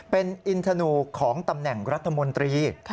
เป็นอินทนูของตำแหน่งรัฐมนตรี